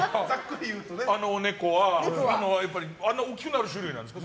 あの猫はあんな大きくなる種類なんですか。